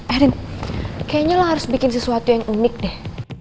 erin kayaknya lo harus bikin sesuatu yang unik deh